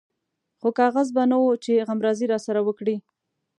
خو کاغذ به نه و چې غمرازي راسره وکړي.